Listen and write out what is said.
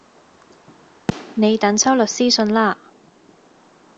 你等收律師信啦